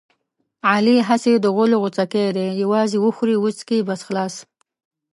علي هسې د غولو غوڅکی دی یووازې وخوري وچکي بس خلاص.